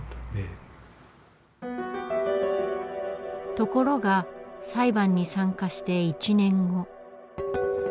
ところが裁判に参加して１年後。